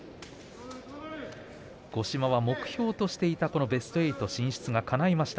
五島は目標としていたベスト８進出が、かないました。